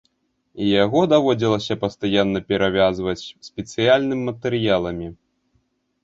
І яго даводзілася пастаянна перавязваць спецыяльным матэрыяламі.